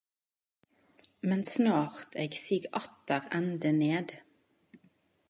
Men snart eg sig atter ende ned.